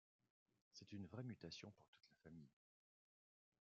C'est une vraie mutation pour toute la famille.